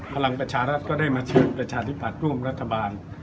พลังประชารัฐก็ได้มาเชิญประชาธิบัติร่วมรัฐบาล